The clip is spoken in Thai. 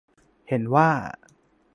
เห็นว่า